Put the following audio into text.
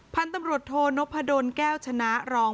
พันธุ์ตำรวจโทนพดลแก้วชนะรอง